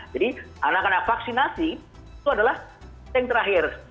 jadi anak anak vaksinasi itu adalah yang terakhir